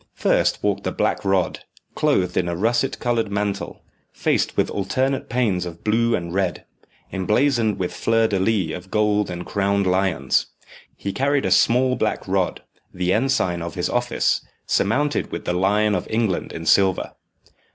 First walked the Black Rod, clothed in a russet coloured mantle, faced with alternate panes of blue and red, emblazoned with flower de luces of gold and crowned lions. He carried a small black rod, the ensign of his office, surmounted with the lion of England in silver.